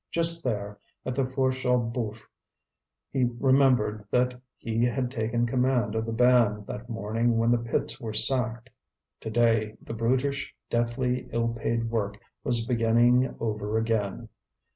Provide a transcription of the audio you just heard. Just there, at the Fourche aux Boeufs, he remembered that he had taken command of the band that morning when the pits were sacked. Today the brutish, deathly, ill paid work was beginning over again.